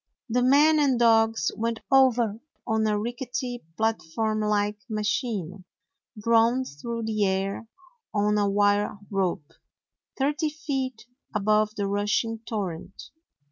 The men and dogs went over on a rickety platform like ma chine, drawn through the air on a wire rope, thirty feet above the rushing torrent.